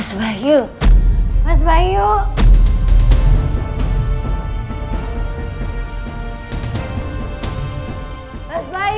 dia masih hidup